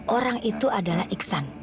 orang itu adalah iksan